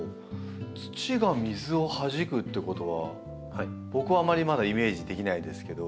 土が水をはじくってことは僕はあまりまだイメージできないですけど。